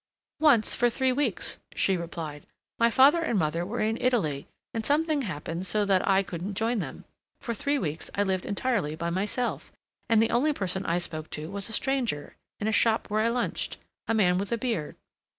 "Once for three weeks," she replied. "My father and mother were in Italy, and something happened so that I couldn't join them. For three weeks I lived entirely by myself, and the only person I spoke to was a stranger in a shop where I lunched—a man with a beard.